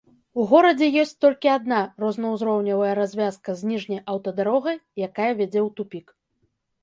У горадзе ёсць толькі адна рознаўзроўневая развязка з ніжняй аўтадарогай, якая вядзе ў тупік.